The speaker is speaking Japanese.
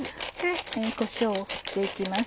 こしょうを振って行きます。